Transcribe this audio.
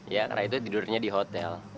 ya karena itu tidurnya di hotel